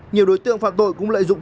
nhiều đối tượng phạm tội cũng lợi dụng